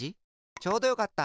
ちょうどよかった！